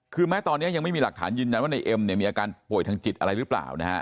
คือแม้ตอนนี้ยังไม่มีหลักฐานยืนยันว่าในเอ็มเนี่ยมีอาการป่วยทางจิตอะไรหรือเปล่านะฮะ